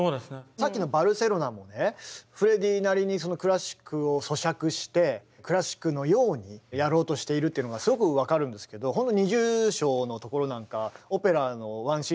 さっきの「バルセロナ」もねフレディなりにクラシックを咀嚼してクラシックのようにやろうとしているっていうのがすごく分かるんですけどほんとそうですよね。